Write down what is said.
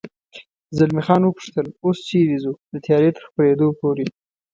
زلمی خان و پوښتل: اوس چېرې ځو؟ د تیارې تر خپرېدو پورې.